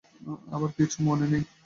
আমার কিছু মনে নেই।